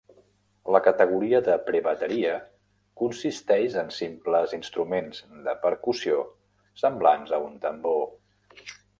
La categoria de prebateria consisteix en simples instruments de percussió semblants a un tambor.